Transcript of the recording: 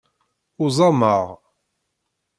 Uẓameɣ.